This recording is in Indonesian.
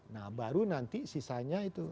nah baru nanti sisanya itu